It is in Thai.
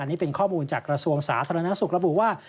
นี่เป็นข้อมูลจากกระทรวงสาธารณสุขระบุว่า